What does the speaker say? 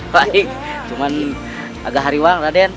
baik cuma agak hari wang raden